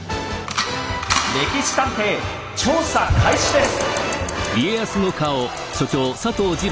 「歴史探偵」調査開始です！